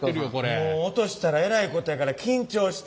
もう落としたらえらいことやから緊張して。